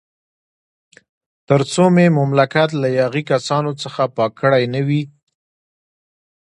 تر څو مې مملکت له یاغي کسانو څخه پاک کړی نه وي.